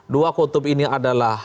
dua kutub ini adalah